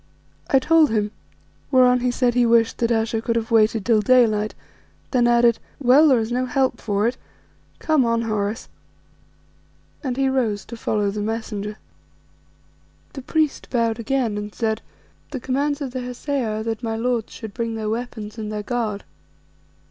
I told him, whereon he said he wished that Ayesha could have waited till daylight, then added "Well, there is no help for it. Come on, Horace," and he rose to follow the messenger. The priest bowed again and said "The commands of the Hesea are that my lords should bring their weapons and their guard."